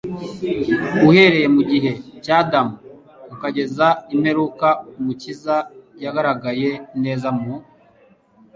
uhereye mu gihe cya Adamu ukageza imperuka. Umukiza yagaragaye neza mu